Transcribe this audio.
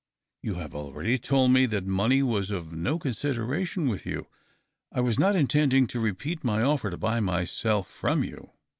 " You had already told me that money was of no consideration with you. I was not intending to repeat my offer to buy myself from you.